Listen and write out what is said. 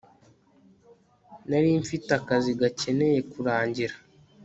nari mfite akazi gakeneye kurangira